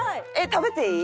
食べていい？